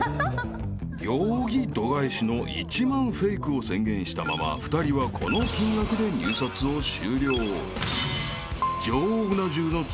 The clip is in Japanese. ［行儀度外視の１万フェイクを宣言したまま２人はこの金額で入札を終了］